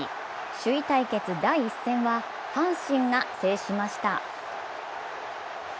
首位対決第１戦は阪神が制しました。